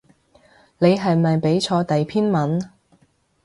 你係咪畀錯第篇文